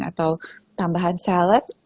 atau tambahan salad